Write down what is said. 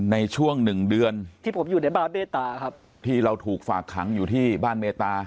ในช่วงหนึ่งเดือนที่ผมอยู่ในบ้านเมตตาครับที่เราถูกฝากขังอยู่ที่บ้านเมตตา